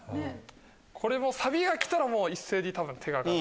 これもサビが来たら一斉に多分手が挙がる。